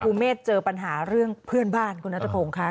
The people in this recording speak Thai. เมฆเจอปัญหาเรื่องเพื่อนบ้านคุณนัทพงศ์ค่ะ